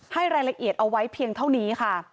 ให้รายละเอียดเอาไว้เพียงเท่านี้ค่ะ